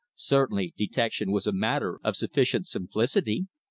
Certainly detection was a matter of sufficient simplicity.